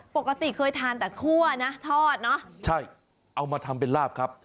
ปกติเคยทานแต่คั่วนะทอดเนอะใช่เอามาทำเป็นลาบครับ